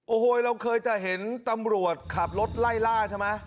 โอ้โหเราเคยจะเห็นตำรวจขับรถไล่ล่าใช่ไหม